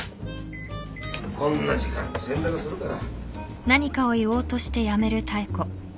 こんな時間に洗濯するから。